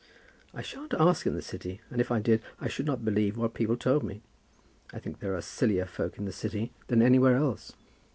"I shan't ask in the City, and if I did, I should not believe what people told me. I think there are sillier folks in the City than anywhere else.